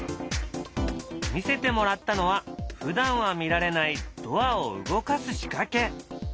見せてもらったのはふだんは見られないドアを動かす仕掛け。